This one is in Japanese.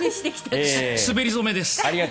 滑り初めです。